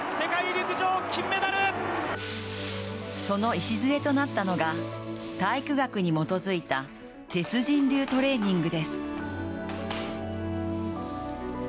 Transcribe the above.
その礎となったのが、体育学に基づいた鉄人流トレーニングです。